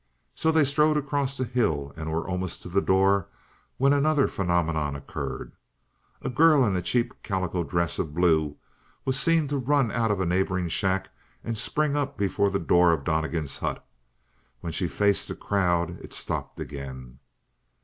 So they strode across the hill and were almost to the door when another phenomenon occurred. A girl in a cheap calico dress of blue was seen to run out of a neighboring shack and spring up before the door of Donnegan's hut. When she faced the crowd it stopped again.